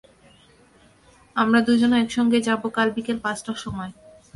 আমরা দুজন একসঙ্গে যাব কাল বিকেল পাঁচটার সময়।